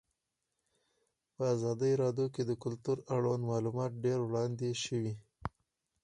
په ازادي راډیو کې د کلتور اړوند معلومات ډېر وړاندې شوي.